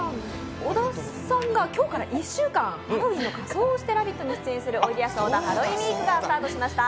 小田さんが今日から１週間仮装をして「ラヴィット！」に出演するおいでやす小田ハロウィーンウィーク始まりました。